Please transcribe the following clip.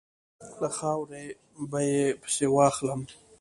له خاورې به یې پسي واخلم.